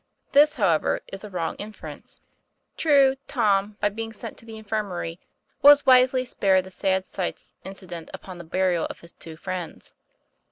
This, however, is a wrong inference. True, Tom, by being sent to the infirmary, was wisely spared the sad sights incident upon the burial of his two friends.